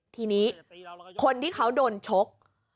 ทีนี้คนที่เขาโดนชก